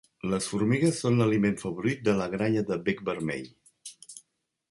Les formigues són l'aliment favorit de la gralla de bec vermell.